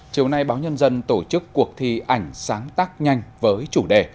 chiều nay báo nhân dân tổ chức cuộc thi ảnh sáng tác nhanh với chủ đề